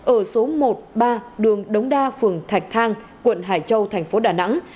ở số một ba đường đống đa phường thạch thang quận hải châu thành phố đà nẵng